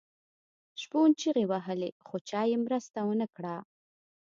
شپون چیغې وهلې خو چا یې مرسته ونه کړه.